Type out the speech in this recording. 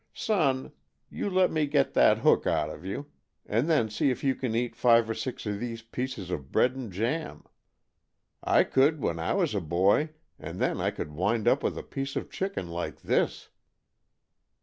Son, you let me get that hook out of you, and then see if you can eat five or six of these pieces of bread and jam. I could when I was a boy, and then I could wind up with a piece of chicken like this."